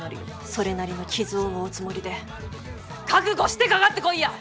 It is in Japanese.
それなりの傷を負うつもりで覚悟してかかってこいや！